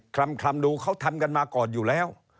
ลำดูเขาทำกันมาก่อนอยู่แล้ว